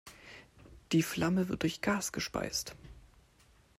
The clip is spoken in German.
Die Flamme wird durch Gas gespeist.